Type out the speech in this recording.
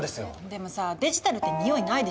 でもさあデジタルって匂いないでしょ。